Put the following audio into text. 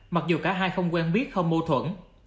mặc dù cả hai không quen biết không mâu thuẫn